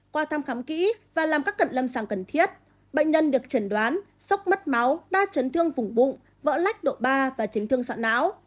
qua thăm khám kỹ và làm các cận lâm sàng cần thiết bệnh nhân được chẩn đoán sốc mất máu đa chấn thương vùng bụng vỡ lách độ ba và chấn thương sọn não